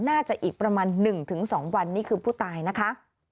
อีกประมาณ๑๒วันนี้คือผู้ตายนะคะ